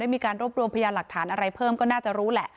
มีการรวบรวมพยานหลักฐานอะไรเพิ่มก็น่าจะรู้แหละ